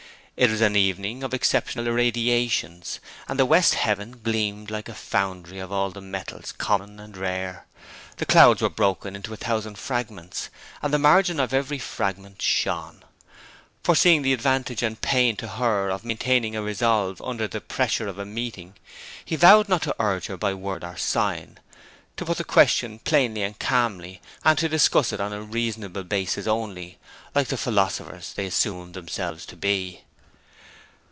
It was an evening of exceptional irradiations, and the west heaven gleamed like a foundry of all metals common and rare. The clouds were broken into a thousand fragments, and the margin of every fragment shone. Foreseeing the disadvantage and pain to her of maintaining a resolve under the pressure of a meeting, he vowed not to urge her by word or sign; to put the question plainly and calmly, and to discuss it on a reasonable basis only, like the philosophers they assumed themselves to be.